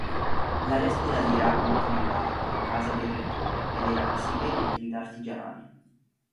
L'area ospedaliera conteneva anche la casa del rettore ed era sede di attività artigianali.